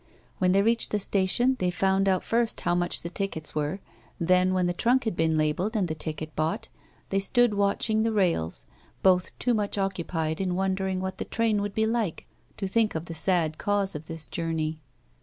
When they reached the station, they found out first how much the tickets were, then, when the trunk had been labelled and the ticket bought, they stood watching the rails, both too much occupied in wondering what the train would be like to think of the sad cause of this journey.